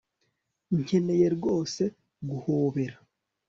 Nkeneye rwose guhobera